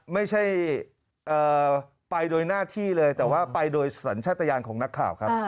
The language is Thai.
ไม่ใช่ไปโดยหน้าที่เลยแต่ว่าไปโดยสัญชาติยานของนักข่าวครับ